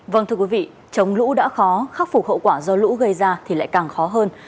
vâng thưa quý vị chống lũ đã khó khắc phục hậu quả do lũ gây ra thì lại càng khó hơn